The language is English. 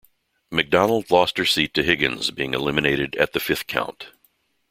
McDonald lost her seat to Higgins, being eliminated at the fifth count.